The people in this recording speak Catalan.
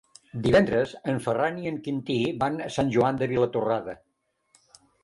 Divendres en Ferran i en Quintí van a Sant Joan de Vilatorrada.